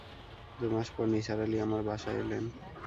দু, মাস পর নিসার আলি আমার বাসায় এলেন।